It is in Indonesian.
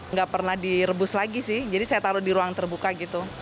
nggak pernah direbus lagi sih jadi saya taruh di ruang terbuka gitu